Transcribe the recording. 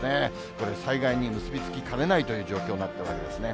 これ、災害に結び付きかねないという状況になっているわけですね。